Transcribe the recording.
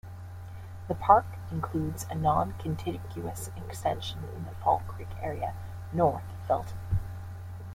The park includes a non-contiguous extension in the Fall Creek area north of Felton.